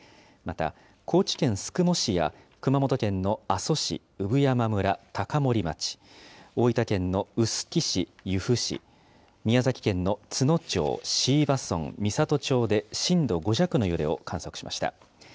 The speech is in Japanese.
また、高知県宿毛市や熊本県の阿蘇市、産山村、高森町、大分県の臼杵市、由布市、宮崎県の都農町、椎葉村、美郷町で震度５弱の揺れを観測しました。